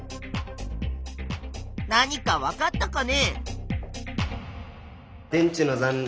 何かわかったかね？